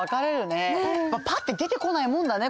パッて出てこないもんだね